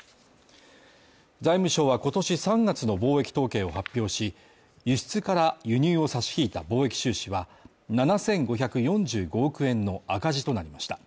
財務省は今年３月の貿易統計を発表し、輸出から輸入を差し引いた貿易収支は７５４５億円の赤字となりました。